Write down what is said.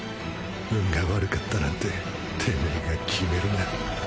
「運が悪かった」なんててめェが決めるな。